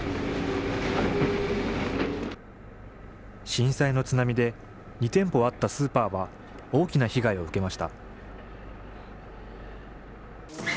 震災の津波で２店舗あったスーパーは大きな被害を受けました。